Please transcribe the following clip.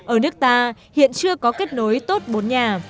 ở nước ta hiện chưa có kết nối tốt bốn nhà